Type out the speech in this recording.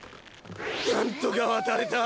なんとか渡れた。